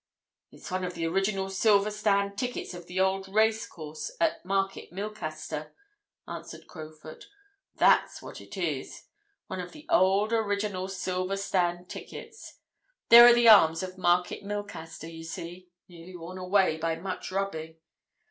"It's one of the original silver stand tickets of the old racecourse at Market Milcaster," answered Crowfoot. "That's what it is. One of the old original silver stand tickets. There are the arms of Market Milcaster, you see, nearly worn away by much rubbing.